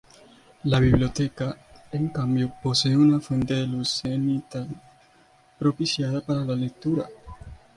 La biblioteca, en cambio, posee una fuente de luz cenital, propicia para la lectura.